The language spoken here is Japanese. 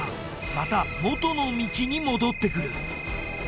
また元の道に戻ってくる。